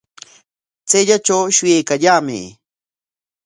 Kayllatraw shuyaykallaamay